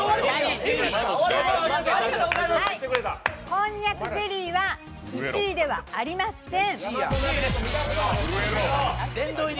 こんにゃくゼリーは１位ではありません。